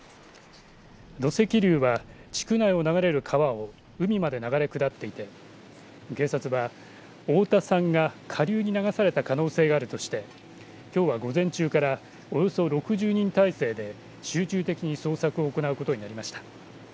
土石流は、地区内を流れる川を海まで流れ下っていて警察は、太田さんが下流に流された可能性があるとしてきょうは午前中からおよそ６０人態勢で集中的に捜索を行うことになりました。